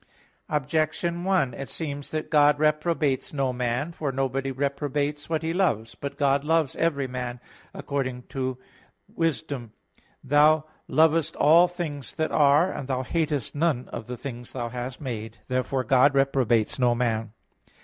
Objection 1: It seems that God reprobates no man. For nobody reprobates what he loves. But God loves every man, according to (Wis. 11:25): "Thou lovest all things that are, and Thou hatest none of the things Thou hast made." Therefore God reprobates no man.